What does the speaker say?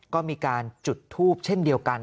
ก็มีการจุดทูปเช่นเดียวกัน